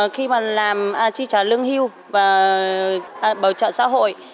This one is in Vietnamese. khi mà làm chi trả lương hưu và bảo trợ xã hội